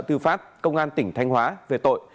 tư phát công an tỉnh thanh hóa về tội